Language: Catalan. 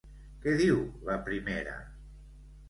Què diu la primera?